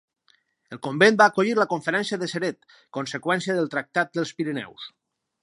El convent va acollir la Conferència de Ceret, conseqüència del Tractat dels Pirineus.